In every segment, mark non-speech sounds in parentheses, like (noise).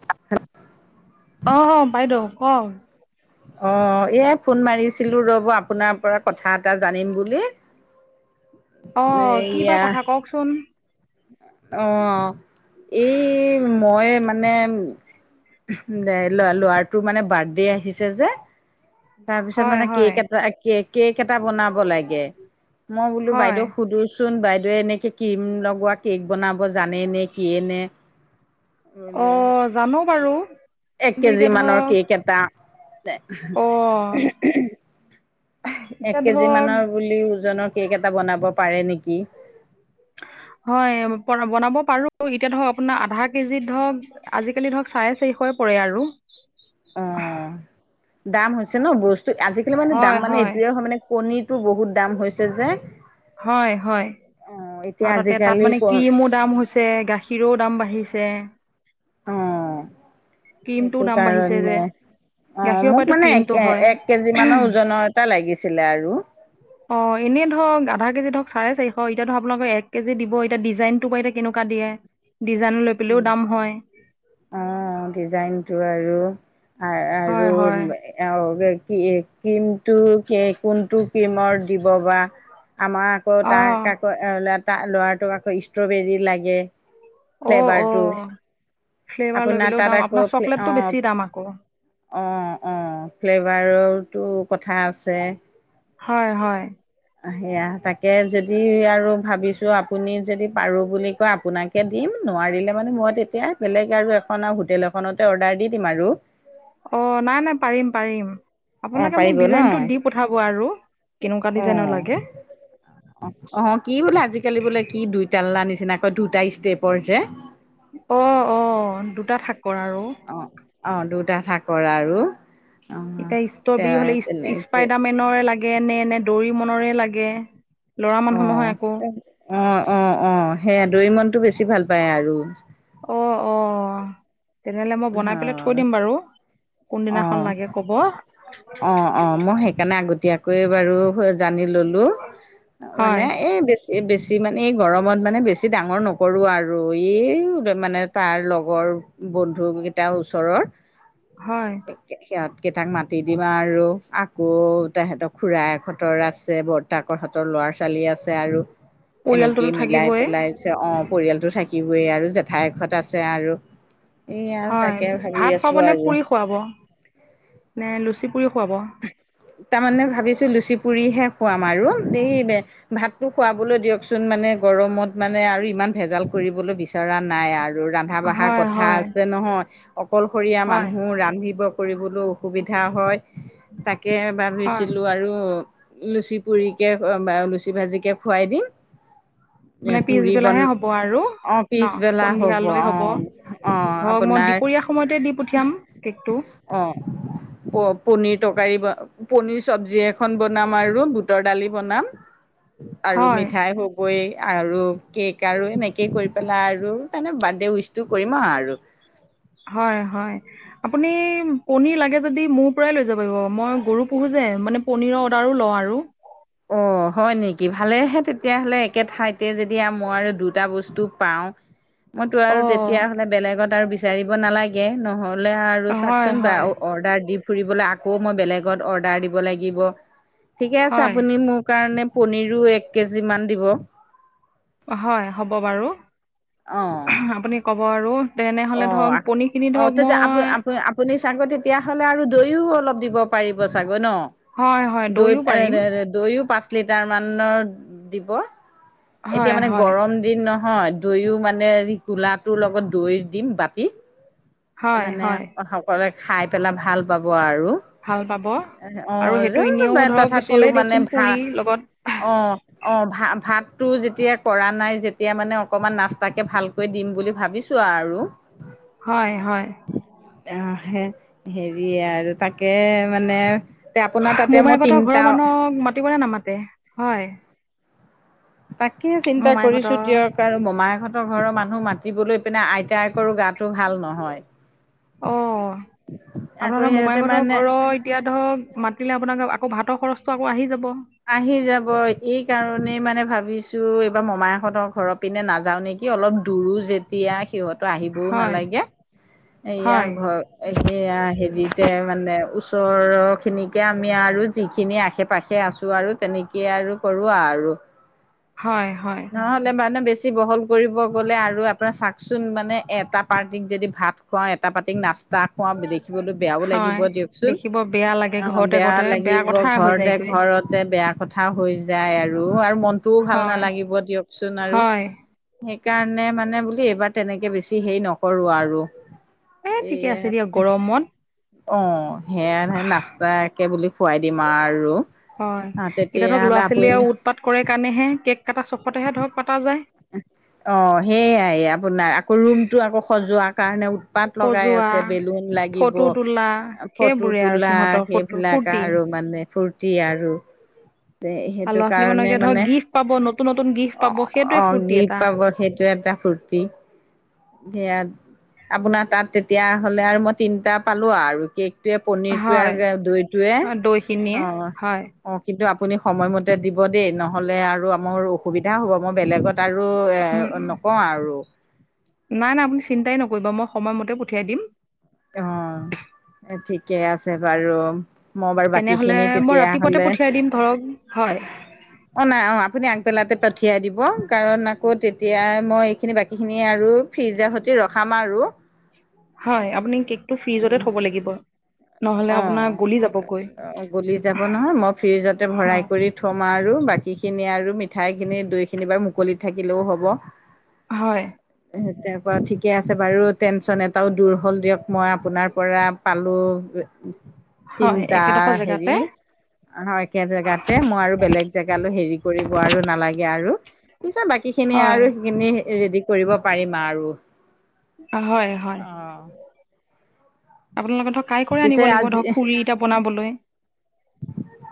(unintelligible) অ'! হ'! বাইদেউ কওঁক? অ'! এই ফোন মাৰিছিলোঁ, ৰ'ব আপোনাৰ পৰা, কথা এটা জানিম বুলি। (inaudible) অ কি বা এয়া কথা কওকচোন? অ, এই মই মানে- ল ল'ৰাটোৰ মানে বাৰ্থডে আহিছে যে। তাৰপিছত হয় মানে হয় কেক এটা কেক- কেক এটা বনাব লাগে, মই বোলো হয় বাইদেউ সুধু চোন বাইদে এনেকে কম লগোৱা কেক বনাব জানে নে কিয়ে নে- বোলে অ' জানো বাৰু এক কিন্তু কেজি এতিয়া মানৰ ধৰক কেক এটা। অ' (inaudible) এক এতিয়া কেজি ধৰক মানৰ বুলি ওজনৰ কেক এটা বনাব পাৰে নেকি? হয় বনাব পাৰো এতিয়া ধৰক আপোনাৰ আধা কেজিত ধৰক- আজিকালি ধৰক চাই চাইন্স পৰে আৰু। অ, দাম হৈছে ন বস্তু আজিকালি মানে দাম মানে এইটোয়ে হয় মানে- কণীটো বহুত দাম হৈছে যে। হয় হয়, অ এতিয়া আৰু তাতে তাত আজিকালি মানে ক কি ম দাম হৈছে গাখীৰও দাম বাঢ়িছে। অ, ক্ৰীমটোও সেইটো দাম বাঢ়িছে যে কাৰণে। অ গাখীৰৰ মোক পৰাইতো মানে এক ক্ৰীমটো হয় এক কেজি মানৰ ওজনৰ এটা লাগিছিলে আৰু। অ এনেই ধৰক- আধা কেজিতক চাৰে চাৰশ এতিয়া আনোকক এক কেজি দিব এতিয়া ডিজাইনটো এতিয়া কেনেুৱা দিয়ে ডাইন আপেলেও দাম হয়। অ ডিজাইন টো আৰু, হয় আৰু- অ কি ক্ৰীমটো কোনটো ক্ৰীমৰ দিব বা- আমাৰ আকৌ অ', তাক আকৌ ত ল'ৰাটোক আকৌ ষ্ট্ৰবেৰী লাগে। অ অ, ফ্লেভাৰটো ফ্লেভাৰ আপোনাৰ লৈবলৈও তাত দাম আকৌ আপোনাৰ চকলেটটো অ বেছি দাম আকৌ। অ অ ফ্লেভাৰটো কথা আছে। হয় হয়। সেয়া তাকে যদি আৰু ভাবিছো আপুনি যদি পাৰো বুলি কয় আপোনাক- তে দিম নোৱাৰিলে মানে মই তেতিয়া বেলেগ আৰু এখন আৰু হোটেল এখনতে অৰ্ডাৰ দি দিম আৰু। অ', নাই নাই পাৰিম পাৰিম। অ', আপোনালোকে মোক পাৰিব ন? ডিজাইনটো দি পঠাব আৰু, কেনেকুৱা ডিজাইনৰ অ', লাগে। অ', অ', কি বোলে আজিকালি বোলে কি দুইটালা নিচিনাকৈ দুটা ষ্টেপৰ যে। অ', অ', দুটা থঠাকৰ আৰু। অ', অ', দুটা চাকৰ আৰু। অ', এতিয়া তে ষ্ট্ৰবেৰী হলে তেনেকে স্পাইডাৰ মে ৰে লাগে নে নে দৌৰি মনৰে লাগে, লৰা মানুহ অ', নহয় আকৌ। অ', অ', অ', সেইয়া দৰি মনতটো বেছি ভাল পায় আৰু। অ', অ', তেনেহলে মই বনাই পেলাই থৈ অ', দিম বাৰু। কোনদিনাখন অ', লাগে ক'ব অ', অ', মই সেই- সেইকাৰণে আগতীয়াকৈ বাৰু জানি ললো, হয় মানে এই বেছি- এই বেছি মানে এই গৰমত মানে বেছি ডাঙৰ নকৰোঁ আৰু এই মানে- তাৰ লগৰ বন্ধুকেইটা ওচৰৰ। হয়। সিহঁত কেইটাক মাতি দিবা আৰু। আকৌ তেহেতৰ খুৰা একহতৰ আছে বৰ্তাকৰহতৰ ল'ৰা ছোৱালী আছে আৰু- পৰিয়ালটোতো এনেকেই মিলাই থাকিবই পেলাই অ', পৰিয়ালতটো থাকিবে আৰু জেঠাই হেতে আছে আৰু। এই আৰু হয়ঁ তাকে ভাবি ভাত আছোঁ খুৱাব নে আৰু পুৰি খুৱাব নে লুচি পুৰি খুৱাব। তাৰমানে ভাবিছো লুচি পুৰিহে খুৱাম আৰু দেই দে ভাতটো খুৱাবলৈ দিয়কচোন মানে গৰমত মানে আৰু ইমান ভেজাল কৰিবলৈ বিচৰা নাই আৰু। আৰু ৰন্ধা বঢ়া হয় কথা হয় আছে নহয় অকলশৰীয়া হয় মানুহ ৰান্ধিব কৰিবলৈ অসুবিধা হয় তাকে হয় বান্ধিছিলোঁ আৰু লুচি পুৰিকে বা লুচি ভাজিকে খুৱাই দিম। এ মানে পুৰি বন পিছবেলাহে হ'ব আৰু। অ ন পিছবেলা সন্ধিয়ালৈ অ হ'ব অ ধৰক মই আপোনাৰ দুপৰীয়া সময়তে দি পঠিয়াম কেকটো। অঁ, প পনীৰ তৰকাৰী পনিৰ চবজি এখন বনা নামাৰু বুটৰ দালি বনাম আৰু হয় মিঠাই হওক বই আৰু কেক আৰু এনেকেই কৰি পেলাই আৰু তাৰমানে বাৰ্থডে' উইচটো কৰিম আৰু। হয়ঁ হয়ঁ। আপুনি পনীৰ লাগে যদি মোৰ পৰাই লৈ যাব পাৰিব মই গৰু পোহো যে মানে পনীৰৰ অৰ্ডাৰো লওঁ আৰু। অঁ হয় নেকি ভালেহে তেতিয়াহ'লে একে ঠাইতে যেতিয়া মই আৰু দুটা বস্তু পাওঁ। মইতো আৰু অ তেতিয়া হ'লে বেলেগত আৰু বিচাৰিব নালাগে নহ লে আৰু হয় চাওকচোন হয় বাৰু অৰ্ডাৰ দি ফুৰিবলৈ আকৌ মই বেলেগত অৰ্ডাৰ দিব লাগিব ঠিকে আছে হয় আপুনি মোক মোৰ কাৰণে পনীৰো এক কেজি মান দিব। হয়ঁ হ'ব বাৰু অ আপুনি ক'ব আৰু। অ তেনেহ'লে ধৰক পনীৰখিনি অ ধৰক তেতিয়া আপ মই তে আপুনি চাগৈ তেতিয়াহ'লে আৰু দৈও অলপ দিব পাৰিব চাগৈ ন। হয় হয় দৈ দৈও পাৰিম এ দৈও পাচ পাচ লিটাৰ মানৰ দিব এতিয়া হয় মনে হয় গৰম নহয় দৈও মানে হৰি কোলাটোৰ লগত দৈ দিম বাতি। হয় মানে হয় সকলোৱে খাই পেলাই ভাল পাব আৰু। ভাল পাব আৰু অঁ, সেইটো যো এনেও ধৰক তথাপিও চলেই মানে দিয়কচোন ভা পুৰি লগত আহ। অঁ ভা-ভাত টো যেতিয়া কৰা নাই যেতিয়া মানে অকমান নাস্তাকে ভাল কৈ দিম বুলি ভাবিছোঁ আৰু। হয়ঁ হয়ঁ! অহ আহে হেৰিয়ে আৰু তাকে মানে তে আপোনাৰ তাতে মই মোমাইক সতৰ ঘৰৰ তিনটা মানুহক মাতিব নে নামাতে হয়ঁ। তাকে চিন্তা কৰিছোঁ মোমাইকহঁতৰ দিয়ক আৰু মোমাইহঁতৰ ঘৰৰ মানুহ মাতিবলৈ পিনে আইতাই কৰ গাত টো ভাল নহয় অঁ আকৌ আপোনালোকৰ সিহঁতে মোমাইকহঁতৰ মানে ঘৰৰ এতিয়া ধৰক মাতিলে আপোনাক আকৌ ভাতৰ খৰচটো আকৌ আহি যাব। আহি যাব এই কাৰণেই মানে ভাবিছো এইবাৰ মমাইক হঁতৰ ঘৰ পিনে নাযাওঁ নেকি? কি অলপ দূৰো যেতিয়া সিহঁতো আহিবও হয় নালাগে ইয়াৰ হয় ঘৰ সেয়া হেৰিতে মানে ওচৰৰ খিনিকে আমি আৰু যিখিনি আশে পাশে আছোঁ। তো আৰু তেনেকে আৰু কৰোৱা আৰু। হয়ঁ হয়ঁ মে বেছি বহল কৰিব গ'লে আৰু আপোনাৰ চচোন মানে এটা পাৰ্টিক যদি ভাত। খোৱাই এটা পাতিক নাচ তাকা দেখিবলৈ বেয়াও লাগিব হয় দিয়কচোন দেখিব বেয়া লাগে অ ঘৰতে বেয়া ঘৰতে বেয়া লাগিব কথা হৈ ঘৰতে যায়গৈ ঘৰত। তে বেয়া কথা হৈ যায় আৰু আৰু মনটোও ভাল হয় নালাগিব দিয়কচোন আৰু। হয় সেইকাৰণে মানে বুলি এইবাৰ তেনেকে বেছি হেৰি নকৰো আৰু। এ ঠিকে আছে এইয়াত দিয়ক গৰমত। অ', সেয়া নে নাস্তা একে বুলি খোৱাই দিম আৰু। হয় অ' এতিয়া ধৰক ল'ৰা তেতিয়াহ'লে ছোৱালীয়ে আপুনি আৰু উৎপাত কৰে কাৰণেহে কেক কটা চখতেহে ধৰক পাতা যায় অ সেইয়াই আপোনাৰ আকৌ ৰুমটো আকৌ সজোৱাৰ কাৰণে উৎ পাত লগাই সজোৱা আছে বেলুন লাগিব ফটো তোলা ফটো সেইবোৰে আৰু তোলা সিহঁতৰ ফটো সেইবিলাক ফূৰ্তি আৰু মানে ফূৰ্তি আৰু আৰু সেইটো ল'ৰা ছোৱালী কাৰণে মানকে ধৰক মানে গিফ্ট পাব নতুন নতুন গিফ্ট পাব অ সেইটোৱে অঁ ফূৰ্তি গিফ্ট এটা পাব সেইটো এটা ফূৰ্তি সেয়া আপোনাৰ তাত তেতিয়া হ'লে আৰু মই তিনটা পালো আৰু কেক টোৱে পনিৰটোৱে হয় আৰু দৈ টোৱে অ দৈখিনিয়ে হয় অ কিন্তু আপুনি সময়মতে দিব দেই নহলে আৰু আ মোৰ অসুবিধা হ'ব মই বেলেগত আৰু এ উম, উম। নকওঁ আৰু নাই নাই আপুনি চিন্তাই নকৰিব মই সময়মতে পঠিয়াই দিম অ ঠিকে আছে বাৰু মই বাৰু বাকী তেনেহ'লে খিনি মই তেতিয়া ৰাতিপুৱাতে হ'লে পঠিয়াই দিম ধৰক হয় অঁ নাই অঁ আপুনি আগবেলাতে পঠিয়াই দিব কাৰণ আকৌ তেতিয়া মই এইখিনি বাকীখিনি আৰু ফ্ৰিজাৰ সৈতে ৰখাম আৰু হয় আপুনি কেকটো ফ্ৰিজতে থ'ব লাগিব নহ'লে অ আপোনাৰ গলি যাবগৈ গলি যাব নহয় মই ফ্ৰিজতে ভৰাই হয় কৰি থম আৰু বাকীখিনি আৰু মিঠাই খিনি দৈ খিনি বাৰু মুকলিত থাকিলেও হ'ব হয় ঠিকে আছে বাৰু টেনচন এটাও দূৰ হ'ল দিয়ক মই আপোনাৰ পৰা পালো হয় তিনিটা একেডোখৰ জেগাতে হেৰি একে জেগাতে মই আৰু বেলেগ জেগালো হেৰি কৰিব আৰু নালাগে আৰু পিছে বাকী খিনি হয় আৰু সেইখিনি ৰেডি কৰিব পাৰিম আৰু হয় হয় অ আপোনালোকে কাই কৰি আনিব পিছে লাগিব আজি ধৰক পুৰি কেইটা বনাবলৈ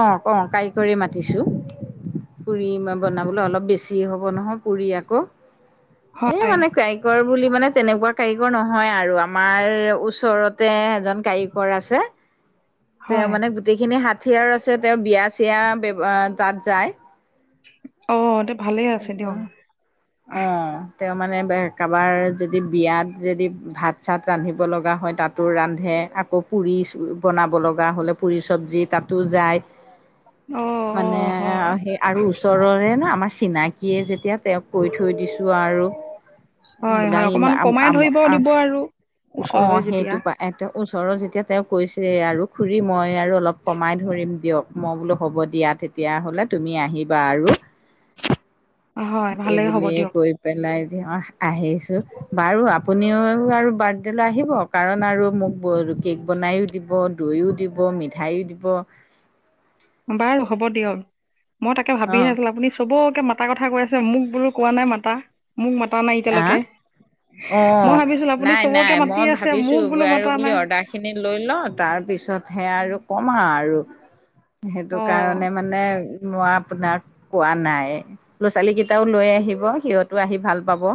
অ ক কাৰিকৰি মাতিছো পুৰি মই বনাবলৈ অলপ বেছি হ'ব নহয় পুৰি আকৌ এ হয় মানে কাইকৰি বুলি মানে তেনেকুৱা কাৰিকৰ নহয় আৰু আমাৰ ওচৰতে এজন কাৰিকৰ আছে হয় তেওঁ মানে গোটেইখিনি হাঠিয়াৰ আৰু আছে তেওঁ বিয়া চিয়া তাত যায় অ তে ভালেই আছে দিয়ক (unintelligible) অঁ তেওঁ মানে কাৰোবাৰ যদি বিয়াত যদি ভাত চাত ৰান্ধিব লগা হয় তাত ৰান্ধে আকৌ পুৰি বনাব লগা হ'লে পুৰি চব্জি তাতো যায় অঁ মানে অঁ হয় সেই আৰু ওচৰৰে না আমাৰ চিনাকীয়ে যেতিয়া তেওঁক কৈ থৈ দিছো আৰু। হয় হয় অকণমান কমাই আম ধৰিব আহ দিব আৰু ওচৰৰে অ' যেতিয়া সেইটো পা। তেওঁ ওচৰৰত যেতিয়া তেওঁ কৈছে, আৰু খুৰী মই আৰু অলপ কমাই ধৰিম দিয়ক। মই বোলো হ'ব দিয়া, তেতিয়া হ'লে তুমি আহিবা আৰু হয় ভালেই হ'ব এইবুলিয়ে দিয়ক কৈ পেলাই যি অঁ আহিছোঁ বাৰু আপুনিও আৰু বাৰ্থডে' লৈ আহিব। কাৰণ আৰু মোক কেক বনাইও দিব দৈও দিব মিঠাইয়ো দিব বাৰু হ'ব দিয়ক, মই তাকে অ ভাবিহে আছিলো আপুনি চবকে মা মাতাৰ কথা কৈ আছে, মোক বোলো কোৱা নাই মাতা, মোক মাতা নাই আহ এতিয়ালৈকে। মই অ' ভাবিছিলোঁ আপুনি নাই নাই, চবকে মাতি মই আছে ভাবিছো মোক বোলো আৰু মতা বুলি নাই অৰ্ডাৰ খিনি লৈ লওঁ, তাৰপিছতে সেয়া আৰু ক'ম আৰু। সেইটো অঁ কাৰণে মানে মই আপোনাক কোৱা নাই, ল'ৰা ছোৱালীকেইটাও লৈ আহিব সিহঁতো আহি ভাল পাব।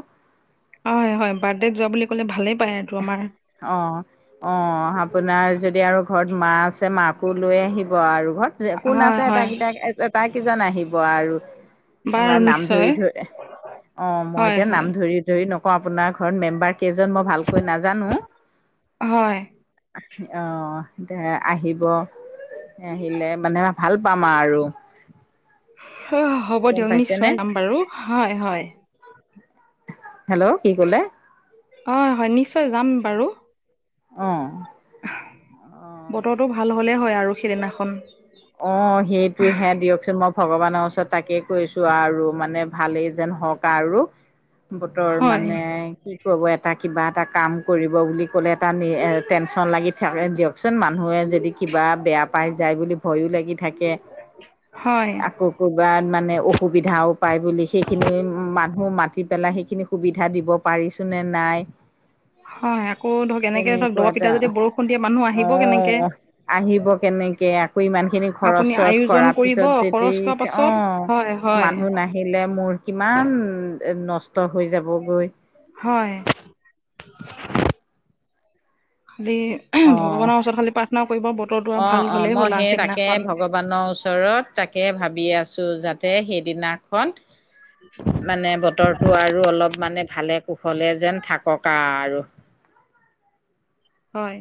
হয় হয়, বাৰ্থডেত যোৱা বুলি ক'লে ভালেই পায় এইটো আমাৰ। অ'। অ', আপোনাৰ যদি আৰু ঘৰত মা আছে, মাকো লৈ আহিব আৰু, হয়। যে কোন হয় আছে, হয় এটাই কেইটা আতাকেইজন আহিব আৰু। বাৰু এবাৰ নাম নিশ্চয় জৰি ধৰি, অ' মই হয় এতিয়া হয় নাম ধৰি ধৰি নকওঁ, আপোনাৰ ঘৰত মেম্বাৰ কেইজন মই ভালকৈ নাজানো। হয়। অ', তে আহিব, আহিলে মানে ভাল পাম আৰু। অ' হ'ব গম দিয়ক, পাইছেনে নিশ্চয় যাম বাৰু, হয় হয়। হেল্ল', কি কলে? অ' হয়, নিশ্চয় যাম বাৰু। অ'। অ', বতৰটো ভাল হ'লে হয়, আৰু সিদিনাখন। অ', সেইটোহে দিয়কচোন, মই ভগৱানৰ ওচৰত তাকেই কৈছোঁ, আৰু মানে ভালেই যেন হওঁক কাৰো, বতৰ হয় মানে কি ক এটা কিবা এটা কাম কৰিব বুলি ক'লে, এটা টেনচন লাগি থাকে দিয়কচোন, মানুহে যদি কিবা বেয়া পাই যায় বুলি ভয়ো লাগি থাকে, হয় আ কৌ ক'ৰবাত মানে অসুবিধাও পায় বুলি, সেইখিনি মানুহ মাতি পেলাই সেইখিনি সুবিধা দিব পাৰিছো নে নাই। হয় আকৌ ধৰক এনেকে ধৰক দবা তেনেকুৱাতে, পিটা যদি বৰষুণ দিয়ে মানুহ আহিব কেনেকে অ', আহিব কেনেকে, আকৌ ইমান খিনি খৰচ আপুনি চৰচ কৰ আয়োজন কৰিব পিছত যদি, খৰচ কৰাৰ পাছত হয় অ' হয় মানুহ নাহিলে মোৰ কিমান, নষ্ট হৈ যাবগৈ। হয়। খালি অ' ভগৱানৰ ওচৰত খালি প্ৰাৰ্থনা কৰিব বতৰতো ভাল হ'লেই হ'ল আৰু সিদিনাখন। ভগবানৰ ওচ ৰত তাকে ভাবি আছো, যাতে সেইদিনাখন, মানে বতৰ তটো আৰু অলপ মানে ভালে কুশলে যেন থাকক আৰু। হয়।